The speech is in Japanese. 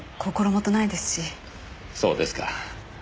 そうですか。